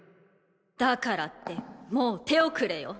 だからってもう手遅れよ。